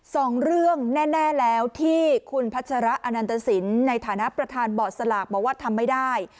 สองเรื่องแน่แล้วที่คุณพัชระอนันตสินในฐานะประธานบอร์ดสลากบอกว่าทำไม่ได้